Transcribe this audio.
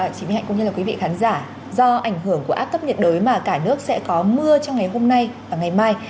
chị minh hạnh cũng như là quý vị khán giả do ảnh hưởng của áp thấp nhiệt đới mà cả nước sẽ có mưa trong ngày hôm nay và ngày mai